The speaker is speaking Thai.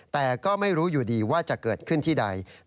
แต่ก็ไม่รู้อยู่ดีว่าจะเกิดขึ้นที่ใด